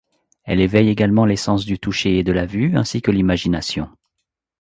Elle éveille également les sens du toucher et de la vue, ainsi que l'imagination.